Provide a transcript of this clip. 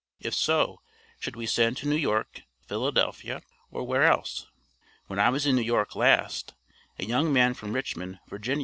If so, should we send to New York, Philadelphia, or where else? When I was in New York last, a young man from Richmond, Va.